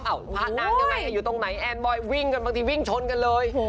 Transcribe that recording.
พระนางยังไงอยู่ตรงไหนแอนบอยวิ่งกันบางทีวิ่งชนกันเลย